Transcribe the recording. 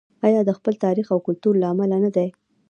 آیا د خپل تاریخ او کلتور له امله نه دی؟